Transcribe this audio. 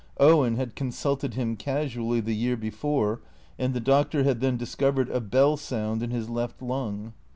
Owen had consulted him casually the year before, and the Doctor had then discovered a bell sound in his left lung.